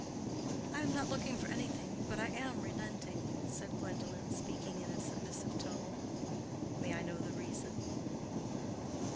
"I am not looking for anything, but I am relenting," said Gwendolen, speaking in a submissive tone. "May I know the reason?"